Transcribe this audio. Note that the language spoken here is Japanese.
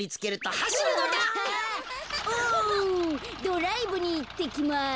ドライブにいってきます。